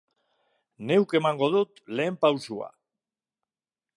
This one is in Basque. Neuk emango dut ehen pausua.